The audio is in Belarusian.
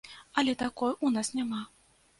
Але такой у нас няма.